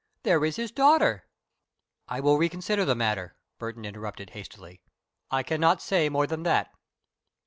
There is his daughter " "I will reconsider the matter," Burton interrupted, hastily. "I cannot say more than that."